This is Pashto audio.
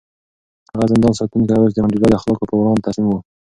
هغه زندان ساتونکی اوس د منډېلا د اخلاقو په وړاندې تسلیم و.